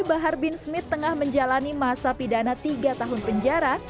bahar bin smith tengah menjalani masa pidana tiga tahun penjara